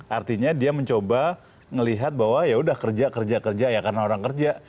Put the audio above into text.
artinya dia mencoba melihat bahwa yaudah kerja kerja kerja ya karena orang kerja